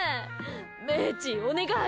メーチー、お願い！